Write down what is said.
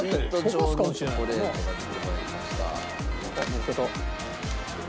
のっけた。